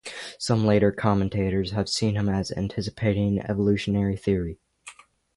Some later commentators have seen him as anticipating evolutionary theory.